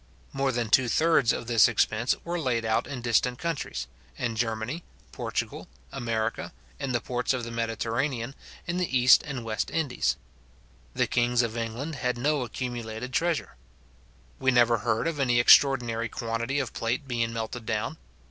More than two thirds of this expense were laid out in distant countries; in Germany, Portugal, America, in the ports of the Mediterranean, in the East and West Indies. The kings of England had no accumulated treasure. We never heard of any extraordinary quantity of plate being melted down.